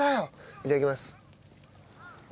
いただきます。